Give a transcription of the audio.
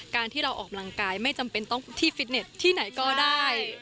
การที่เราออกกำลังกายไม่จำเป็นต้องที่ฟิตเน็ตที่ไหนก็ได้